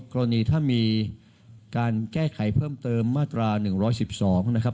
กรณีถ้ามีการแก้ไขเพิ่มเติมมาตรา๑๑๒นะครับ